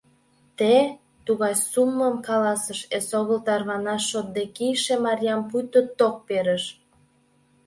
— Те... — тугай суммым каласыш, эсогыл тарванаш тоштде кийыше Марьям пуйто ток перыш.